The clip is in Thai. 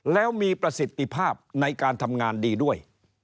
แล้วมีประสิทธิภาพในการทำงานดีด้วย